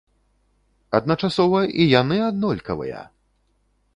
Адначасова, і яны аднолькавыя!